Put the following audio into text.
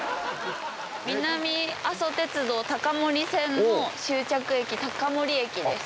南阿蘇鉄道高森線の終着駅高森駅です。